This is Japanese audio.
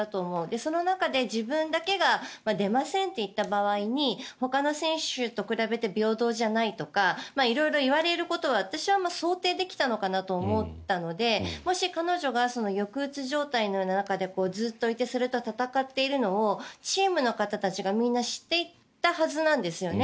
その中で自分だけが出ませんと言った場合にほかの選手と比べて平等じゃないとか色々言われることは私は想定できたのかなと思ったのでもし彼女が抑うつ状態の中でずっといてそれと闘っているのをチームの方たちがみんな知っていたはずなんですよね。